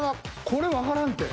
［これわからんて。